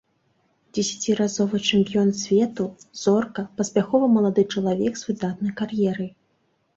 Дзесяціразовы чэмпіён свету, зорка, паспяховы малады чалавек з выдатнай кар'ерай.